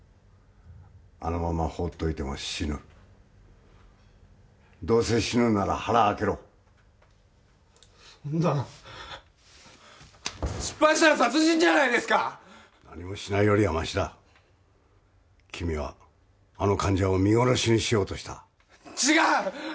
あのまま放っておいても死ぬどうせ死ぬなら腹開けろそんな失敗したら殺人じゃないですか何もしないよりはマシだ君はあの患者を見殺しにしようとした違う！